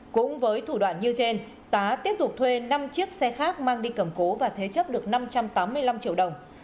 cũng với thủ đoạn như trên tá tiếp tục thuê năm chiếc xe khác mang đi cầm cố và thế chấp được năm trăm tám mươi năm triệu đồng